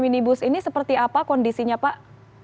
minibus ini seperti apa kondisinya pak